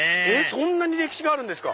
そんなに歴史があるんですか